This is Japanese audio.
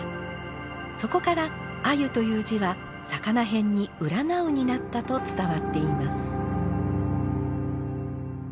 そこから鮎という字は魚偏に「占う」になったと伝わっています。